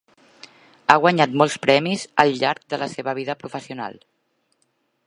Ha guanyat molts premis al llarg de la seva vida professional.